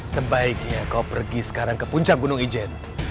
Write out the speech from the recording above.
sebaiknya kau pergi sekarang ke puncak gunung ijen